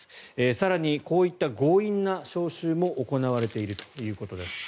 更にこういった強引な招集も行われているということです。